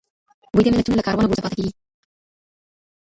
ویده ملتونه له کاروانه وروسته پاته کېږي.